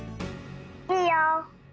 いいよ。